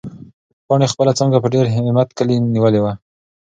پاڼې خپله څانګه په ډېر همت کلي نیولې وه.